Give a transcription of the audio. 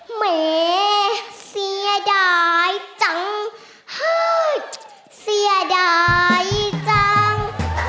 แหมเสียดายจังฮึดเสียดายจัง